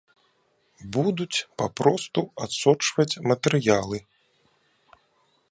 Будуць папросту адсочваць матэрыялы.